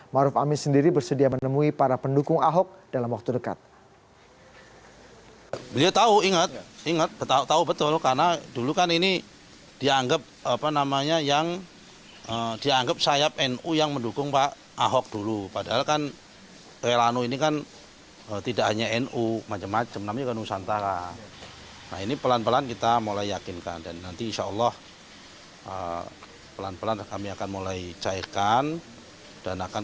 maruf amin sendiri bersedia menemui para pendukung ahok dalam waktu dekat